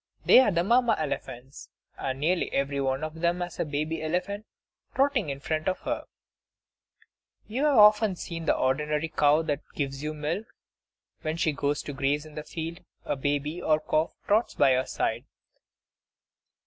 They are the Mamma elephants; and nearly every one of them has a baby elephant trotting in front of her. You have often seen the ordinary cow that gives you milk; when she goes to graze in the field, her baby, or calf, trots by her side.